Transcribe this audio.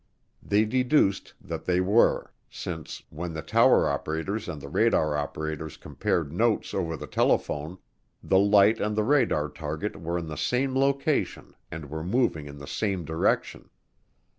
They deduced that they were since, when the tower operators and the radar operators compared notes over the telephone, the light and the radar target were in the same location and were moving in the same direction.